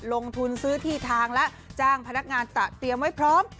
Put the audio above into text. ลงทุนซื้อที่ทางแล้วจ้างพนักงานตะเตรียมไว้พร้อม